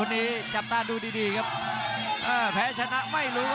โอ้โหโอ้โห